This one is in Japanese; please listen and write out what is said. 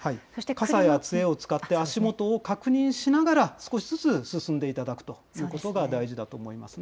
傘やつえを使って、足元を確認しながら、少しずつ進んでいただくということが大事だと思いますね。